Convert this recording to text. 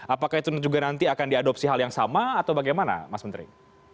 apakah itu juga nanti akan diadopsi hal yang sama atau bagaimana mas menteri